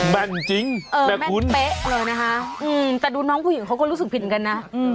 แม่นจริงแม่คุณอืมแต่ดูน้องผู้หญิงเขาก็รู้สึกผิดกันนะอืมอ่า